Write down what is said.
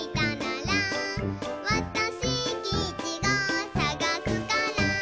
「わたしきいちごさがすから」